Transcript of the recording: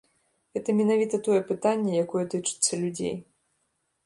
Гэта менавіта тое пытанне, якое тычыцца людзей.